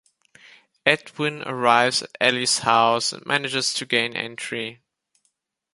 Edwin arrives at Allie's house and manages to gain entry.